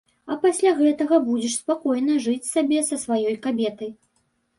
А пасля гэтага будзеш спакойна жыць сабе са сваёй кабетай.